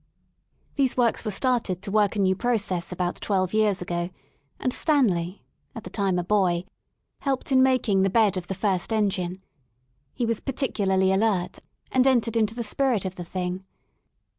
These works were started to work a new process about twelve years ago, and Stanley, at the time a boy, helped in making the bed of the first engine* He was particularly alert, and entered into the spirit of the thing.